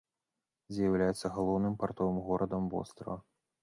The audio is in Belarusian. З'яўляецца галоўным партовым горадам вострава.